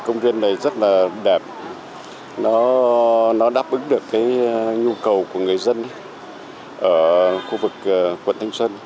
nó đáp ứng được nhu cầu của người dân ở khu vực quận thanh xuân